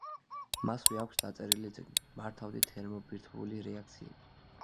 მასვე აქვს დაწერილი წიგნი „მართვადი თერმობირთვული რეაქციები“.